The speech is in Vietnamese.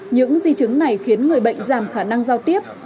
những di chứng này khiến người bệnh giảm khả năng giao tiếp